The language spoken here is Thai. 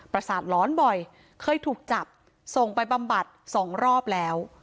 ประสาทร้อนบ่อยเคยถูกจับส่งไปบำบัดสองรอบแล้ว